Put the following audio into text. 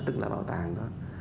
tức là bảo tàng đó